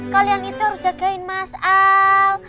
kalian itu harus jagain mas'al